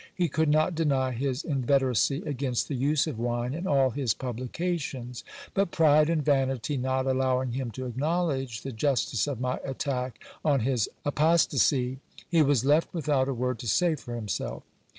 He could not deny his inveteracy against the use of wine in all his publications ; but pride and vanity not allowing him to acknowledge the justice of my attack on his apostasy, he was left without a word to say for himself.